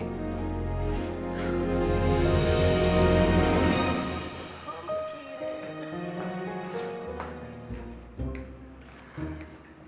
kamu stay disini